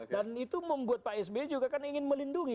dan itu membuat pak sb juga kan ingin melindungi